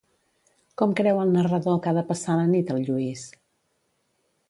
Com creu el narrador que ha de passar la nit el Lluís?